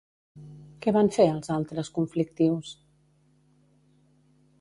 Què van fer els altres conflictius?